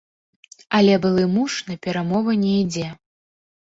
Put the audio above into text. Але былы муж на перамовы не ідзе.